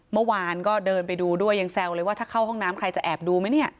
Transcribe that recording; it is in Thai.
เมื่อวานก็เดินไปดูด้วยยังแซวเลยว่าถ้าเข้าห้องน้ำใครจะแอบดูไหมเนี่ย